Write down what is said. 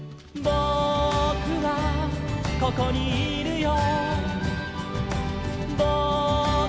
「ぼくはここにいるよ」